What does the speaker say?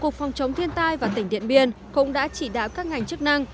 cục phòng chống thiên tai và tỉnh điện biên cũng đã chỉ đạo các ngành chức năng